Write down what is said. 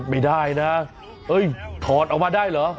ไม่ได้นะถอดออกมาได้เหรอ